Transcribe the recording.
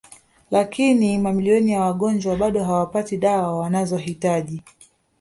Lakini mamilioni ya wagonjwa bado hawapati dawa wanazohitaji